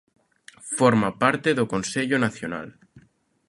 Forma parte do Consello Nacional.